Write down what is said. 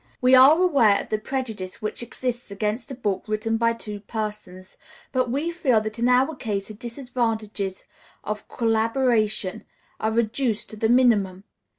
We are aware of the prejudice which exists against a book written by two persons, but we feel that in our case the disadvantages of collaboration are reduced to the minimum.